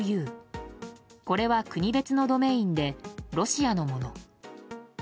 これは国別のドメインでロシアのもの。